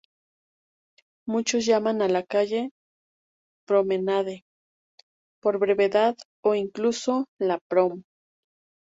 Muchos llaman a la calle "Promenade" por brevedad, o incluso "la Prom’".